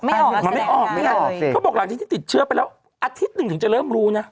มันไม่ออกไหมล่ะเขาบอกหลังจากที่ติดเชื้อไปแล้วอาทิตย์หนึ่งถึงจะเริ่มรู้นะ